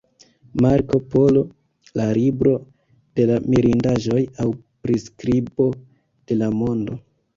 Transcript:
Marko Polo: La libro de la mirindaĵoj aŭ priskribo de la mondo.